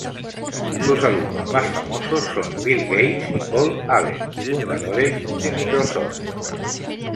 Sus alumnos más famosos son Bill Gates y Paul Allen, fundadores de Microsoft.